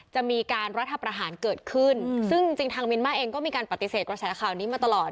จะมีการรัฐประหารเกิดขึ้นซึ่งจริงทางเมียนมาร์เองก็มีการปฏิเสธกระแสข่าวนี้มาตลอด